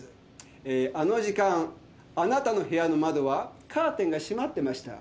えーあの時間あなたの部屋の窓はカーテンが閉まってました。